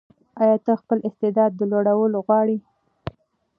ایا ته خپل استعداد لوړول غواړې؟